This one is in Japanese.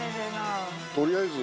とりあえず